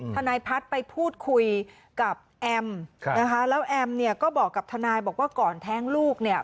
ทนายพัฒน์ไปพูดคุยกับแอมนะคะแล้วแอมเนี่ยก็บอกกับทนายบอกว่าก่อนแท้งลูกเนี่ย